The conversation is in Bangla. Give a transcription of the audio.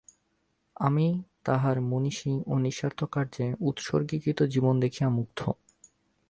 আমি তাঁহার মনীষা ও নিঃস্বার্থ কার্যে উৎসর্গীকৃত জীবন দেখিয়া মুগ্ধ।